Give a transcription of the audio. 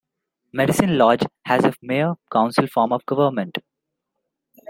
Medicine Lodge has a mayor-council form of government.